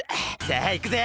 さあいくぜ！